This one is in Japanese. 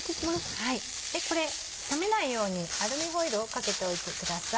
でこれ冷めないようにアルミホイルをかけておいてください。